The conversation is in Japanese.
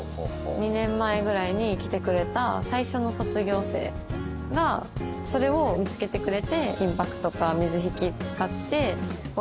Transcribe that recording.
２年前ぐらいに来てくれた最初の卒業生がそれを見つけてくれて。